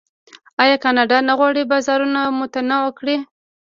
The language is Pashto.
آیا کاناډا نه غواړي بازارونه متنوع کړي؟